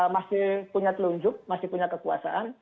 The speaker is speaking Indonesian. masih punya telunjuk masih punya kekuasaan